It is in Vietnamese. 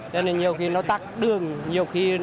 nên là nhiều khi nó tắt đường nhiều khi nó